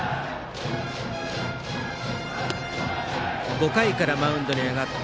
５回からマウンドに上がって